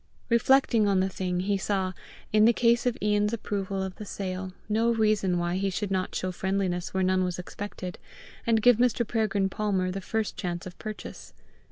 Reflecting on the thing, he saw, in the case of Ian's approval of the sale, no reason why he should not show friendliness where none was expected, and give Mr. Peregrine Palmer the first chance of purchase.